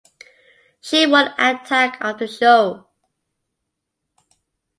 She won Attack of the Show!